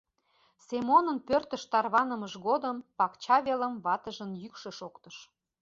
Семонын пӧртыш тарванымыж годым пакча велым ватыжын йӱкшӧ шоктыш.